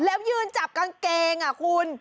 แล้วยืนจับกางเกงคุณ